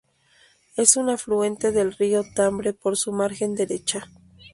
Es un afluente del río Tambre por su margen derecha.